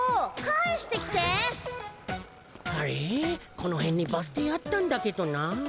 このへんにバス停あったんだけどなあ。